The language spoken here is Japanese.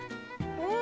うん！